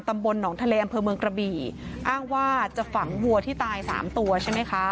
ตำบลหนองทะเลอำเภอเมืองกระบี่อ้างว่าจะฝังวัวที่ตายสามตัวใช่ไหมคะ